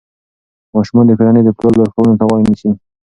ماشومان د کورنۍ د پلار لارښوونو ته غوږ نیسي.